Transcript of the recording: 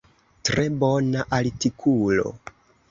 Tre bona artikulo.